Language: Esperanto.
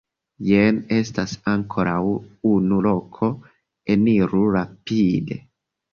Jen estas ankoraŭ unu loko, eniru rapide.